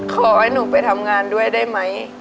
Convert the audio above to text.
ขอให้หนูไปทำงานด้วยได้ไหม